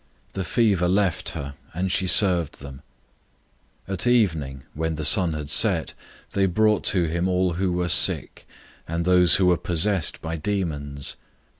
The fever left her, and she served them. 001:032 At evening, when the sun had set, they brought to him all who were sick, and those who were possessed by demons.